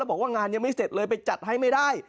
บอกว่างานยังไม่เสร็จเลยไปจัดให้ไม่ได้